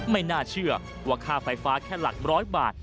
ไม่น่าเชื่อว่าค่าไฟฟ้าแค่หลักร้อยบาท